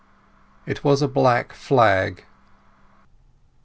It was a black flag.